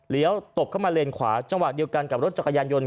ตบเข้ามาเลนขวาจังหวะเดียวกันกับรถจักรยานยนต